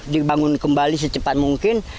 dibangun kembali secepat mungkin